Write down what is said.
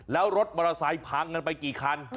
แล้วรถมารสัยพางกันไปกี่คัน๙คันนะฮะ